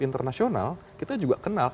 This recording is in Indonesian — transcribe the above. internasional kita juga kenal